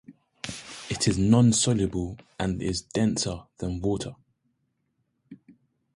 It is non-soluble and is denser than water.